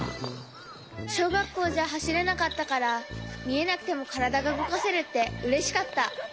しょうがっこうじゃはしれなかったからみえなくてもからだがうごかせるってうれしかった。